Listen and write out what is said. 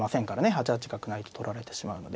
８八角成と取られてしまうので。